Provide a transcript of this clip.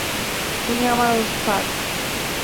তুমি আমার ওস্তাদ।